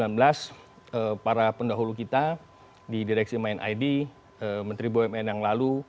mas para pendahulu kita di direksi myid menteri bumn yang lalu